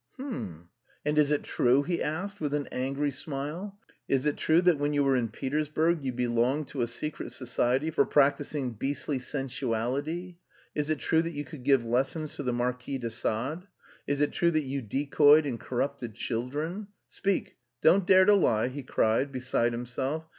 "H'm! And is it true?" he asked, with an angry smile. "Is it true that when you were in Petersburg you belonged to a secret society for practising beastly sensuality? Is it true that you could give lessons to the Marquis de Sade? Is it true that you decoyed and corrupted children? Speak, don't dare to lie," he cried, beside himself.